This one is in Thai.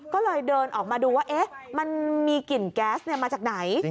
ก็เลยเดินออกมาดูว่ามันมีกลิ่นแก๊สมาจากไหน